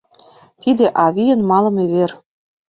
Тиде авийын малыме вер